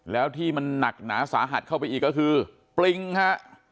แล้วที่มันหนักหนาสาหัสเข้าไปอีกก็คือปริงฮะ